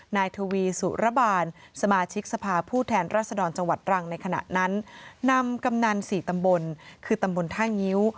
นายทวีสุระบาลสมาชิกสภาผู้แทนรัศดรจังหวัดตรังในขณะนั้นนำกำนันสี่ตำบลคือตำบลท่างิ้ว